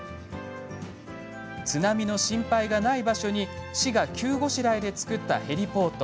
津波の心配がない場所に市が急ごしらえで造ったヘリポート。